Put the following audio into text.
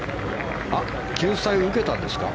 救済を受けたんですか。